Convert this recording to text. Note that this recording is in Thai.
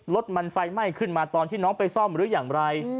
รถมันไฟไหม้ขึ้นมาตอนที่น้องไปซ่อมหรืออย่างไร